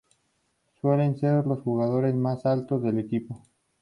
Suelen ser los jugadores más altos del equipo.